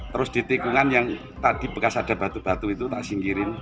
terus di tikungan yang tadi bekas ada batu batu itu tak singkirin